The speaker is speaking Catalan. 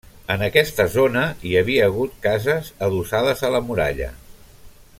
En aquesta zona hi havia hagut cases adossades a la muralla.